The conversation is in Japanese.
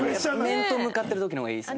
面と向かってる時の方がいい。